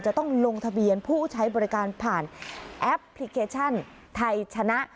จะต้องลงทะเบียนผู้ใช้บริการผ่านแอปพลิเคชันไทยชนะ